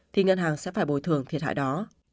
thì ngân hàng sẽ phải bồi thường thiệt hại đó